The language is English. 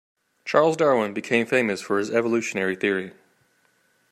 Charles Darwin became famous for his evolutionary theory.